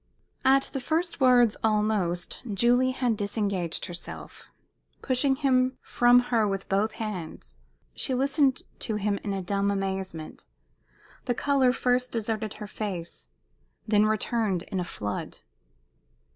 At the first words, almost, Julie had disengaged herself. Pushing him from her with both hands, she listened to him in a dumb amazement. The color first deserted her face, then returned in a flood.